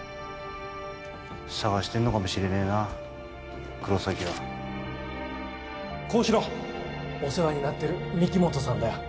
捜してんのかもしれねえな黒崎は高志郎お世話になってる御木本さんだよ